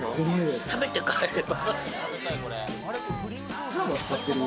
食べて帰れば。